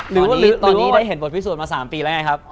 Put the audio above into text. หรือว่าเห็นบทพิสูจน์มา๓ปีแล้วไงครับ